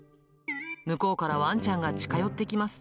向こうからワンちゃんが近寄ってきます。